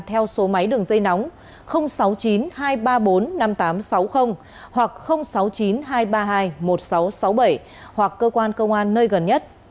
theo số máy đường dây nóng sáu mươi chín hai trăm ba mươi bốn năm nghìn tám trăm sáu mươi hoặc sáu mươi chín hai trăm ba mươi hai một nghìn sáu trăm sáu mươi bảy hoặc cơ quan công an nơi gần nhất